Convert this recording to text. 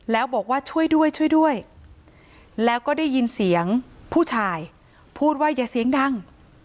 แล้วบอกว่าช่วยด้วยช่วยด้วยแล้วก็ได้ยินเสียงผู้ชายพูดว่าอย่าเสียงดัง